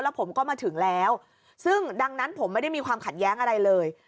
ผมก็มาถึงแล้วซึ่งดังนั้นผมไม่ได้มีความขัดแย้งอะไรเลย